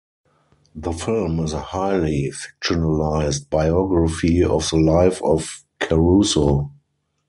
The film is a highly fictionalized biography of the life of Caruso.